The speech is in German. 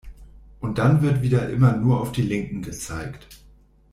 Und dann wird wieder immer nur auf die Linken gezeigt.